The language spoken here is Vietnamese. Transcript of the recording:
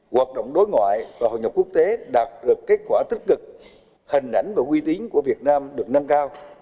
hoạt động đối ngoại và hội nhập quốc tế đạt được kết quả tích cực hình ảnh và quy tín của việt nam được nâng cao